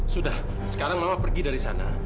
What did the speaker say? sudah sekarang mama pergi dari sana